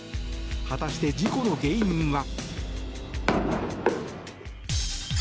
果たして、事故の原因は。